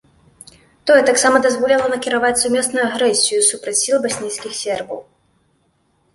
Тое таксама дазволіла накіраваць сумесную агрэсію супраць сіл баснійскіх сербаў.